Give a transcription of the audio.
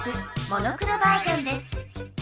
モノクロバージョンです。